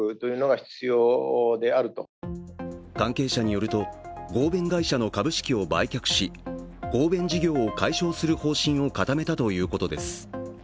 関係者によると、合弁会社の株式を売却し合弁事業を解消する方針を固めたということです。